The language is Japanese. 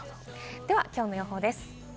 きょうの予報です。